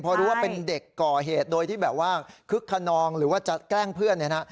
เพราะรู้ว่าเป็นเด็กก่อเหตุโดยที่คึกทะนองหรือว่าจะแกล้งเพื่อน